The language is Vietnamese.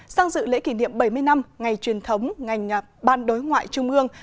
sang dự lễ kỷ niệm bảy mươi năm ngày truyền thống ngành ban đối ngoại trung ương